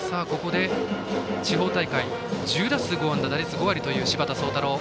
地方大会１０打数５安打打率５割という柴田壮太朗。